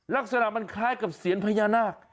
ลักษณะมันคล้ายกับเซียนพญานาค